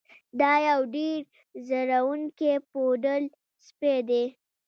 دا یو ډیر ځورونکی پوډل سپی و